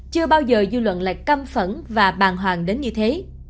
chưa bao giờ dư luận lại căm phẫn và bàng hoàng đến như thế